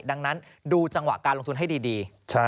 ดังนั้นดูจังหวะการลงทุนให้ดี